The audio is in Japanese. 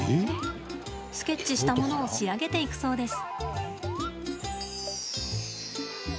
スケッチしたものを仕上げていくそうです。